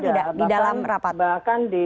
tidak di dalam rapat bahkan di